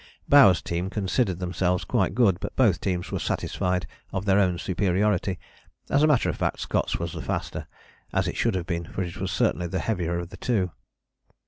Bowers' team considered themselves quite good, but both teams were satisfied of their own superiority; as a matter of fact Scott's was the faster, as it should have been for it was certainly the heavier of the two.